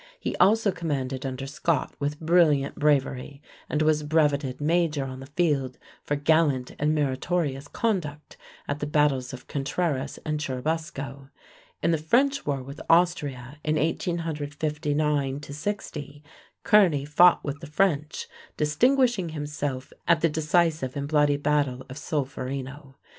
He also commanded under Scott with brilliant bravery, and was brevetted major on the field for "gallant and meritorious conduct" at the battles of Contreras and Churubusco. In the French war with Austria in 1859 60, Kearney fought with the French, distinguishing himself at the decisive and bloody battle of Solferino.